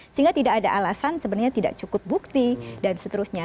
sehingga tidak ada alasan sebenarnya tidak cukup bukti dan seterusnya